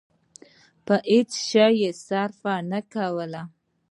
په هېڅ شي يې صرفه نه کوله.